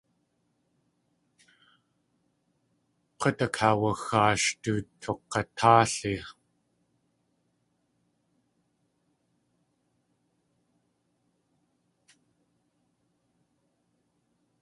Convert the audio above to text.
K̲ut akaawaxaash du tuk̲atáali.